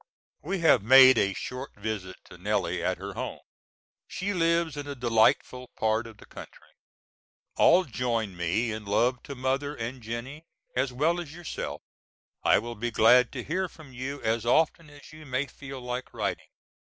We have made a short visit to Nellie at her home. She lives in a delightful part of the country. All join me in love to Mother and Jennie as well as yourself. I will be glad to hear from you as often as you may feel like writing.